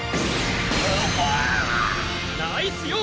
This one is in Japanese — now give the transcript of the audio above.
ナイスよ！